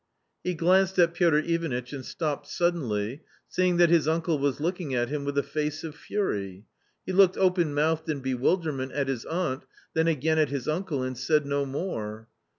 "~ ife glanced at Piotr Ivanitch and stopped suddenly, seeing that his uncle was looking at him with a face of fury. He looked open mouthed in bewilderment at his aunt, then again at his uncle, and said no more.